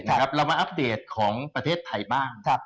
เรามาอัปเดตของประเทศไทยบ้าง